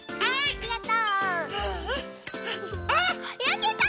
ありがとう。